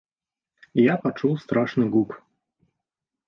Я пачуў страшны гук.